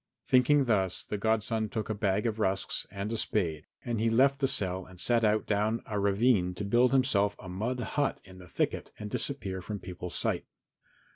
Thinking thus the godson took a bag of rusks and a spade, and he left the cell and set out down a ravine to build himself a mud hut in the thicket and disappear from people's sight.